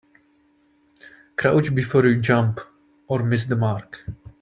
Crouch before you jump or miss the mark.